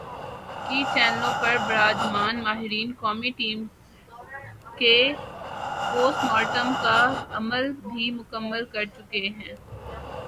کی چینلوں پر براجمان "ماہرین" قومی ٹیم کے پوسٹ مارٹم کا عمل بھی مکمل کر چکے ہیں ۔